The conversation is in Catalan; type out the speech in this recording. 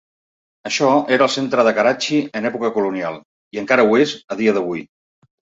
Això era el centre de Karachi en època colonial i encara ho és a dia d'avui.